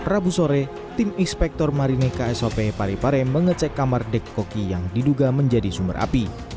rabu sore tim inspektor marine ksop parepare mengecek kamar dek koki yang diduga menjadi sumber api